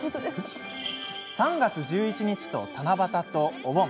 ３月１１日と、七夕と、お盆。